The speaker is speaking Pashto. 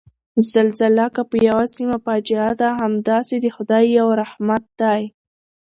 زلزله که په یوه سیمه فاجعه ده، همداسې د خدای یو رحمت دی